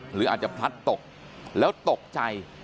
หรืออาจจะพลัดตกแล้วตกใจ